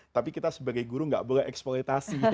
tapi kita sebagai guru nggak boleh eksploitasi